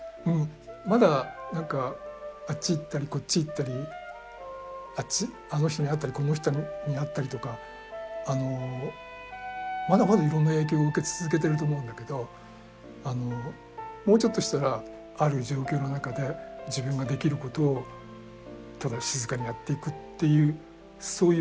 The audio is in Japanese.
まだ何かあっち行ったりこっち行ったりあっちあの人に会ったりこの人に会ったりとかまだまだいろんな影響を受け続けてると思うんだけどもうちょっとしたらある状況の中で自分ができることをただ静かにやっていくっていうそういう。